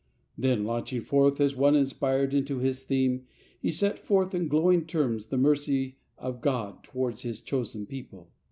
Then, launching forth as one inspired into his theme, he set forth in glowing terms the mercy of God towards His chosen people.